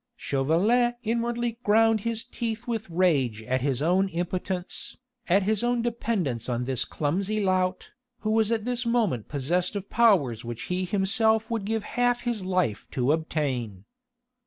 Chauvelin inwardly ground his teeth with rage at his own impotence, at his own dependence on this clumsy lout, who was at this moment possessed of powers which he himself would give half his life to obtain.